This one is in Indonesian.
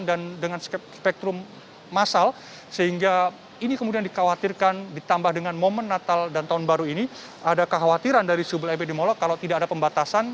dan dengan spektrum masal sehingga ini kemudian dikhawatirkan ditambah dengan momen natal dan tuhan baru ini ada kekhawatiran dari subul epidemiolog kalau tidak ada pembatasan